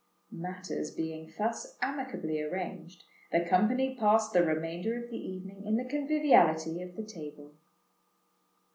Matters being thus amicably arranged, the company passed the remainder of the evening in the conviviality of the table.